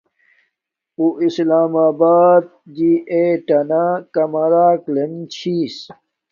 اُواسلام آبات جی ایٹ ٹنا کمرک لیم چھس